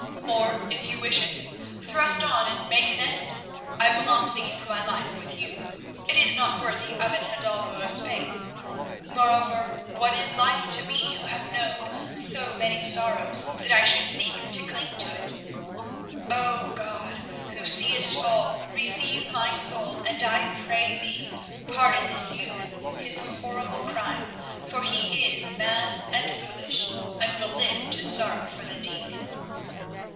Or if you wish it, thrust on and make an end. I will not plead for my life with you; it is not worthy of an hidalgo of Spain. Moreover, what is life to me who have known so many sorrows that I should seek to cling to it? Oh! God, who seest all, receive my soul, and I pray Thee pardon this youth his horrible crime, for he is mad and foolish, and will live to sorrow for the deed."